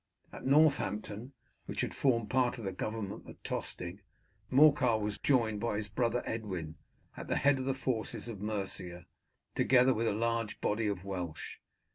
At Northampton, which had formed part of the government of Tostig, Morcar was joined by his brother Edwin at the head of the forces of Mercia, together with a large body of Welsh.